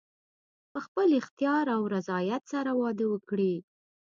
په خپل اختیار او رضایت سره واده وکړي.